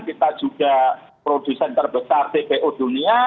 kita juga produsen terbesar cpo dunia